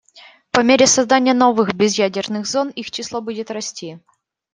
По мере создания новых безъядерных зон их число будет расти.